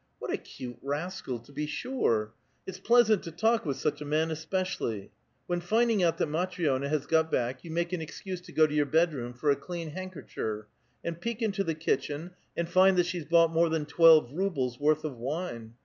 What a cute rascal, to be sure ! It*:j pleasant to talk with such a man, especially, when f hiding out that Matri6na has got back you make an ex cuse to go to your bed room for a clean handkercher, and )H'ek into the kitchen, and find that she's bought more than twelve rubles* worth of wine.